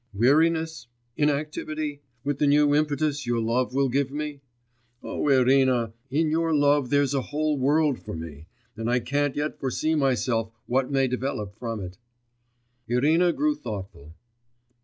Weariness? Inactivity? With the new impetus your love will give me? O Irina, in your love there's a whole world for me, and I can't yet foresee myself what may develop from it.' Irina grew thoughtful.